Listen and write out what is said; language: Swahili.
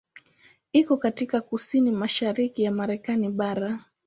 Iko katika kusini-mashariki ya Marekani bara.